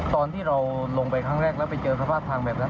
ตอนที่เราลงไปครั้งแรกแล้วไปเจอสภาพทางแบบนั้น